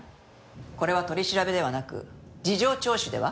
これは取り調べではなく事情聴取では？